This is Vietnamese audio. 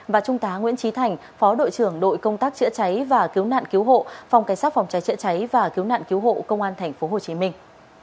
và trung tá nguyễn trí thành phó đội trưởng đội công tác chữa cháy và cứu nạn cứu hộ phòng cảnh sát phòng trái chữa cháy và cứu nạn cứu hộ công an tp hồ chí minh